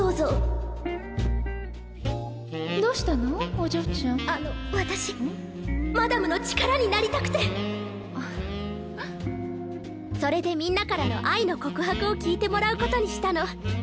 どうぞマダムの力になりたくてそれでみんなからの愛の告白を聞いてもらうことにしたの。